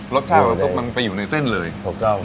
รสชาติของน้ำซุปมันไปอยู่ในเส้นเลยถูกต้อง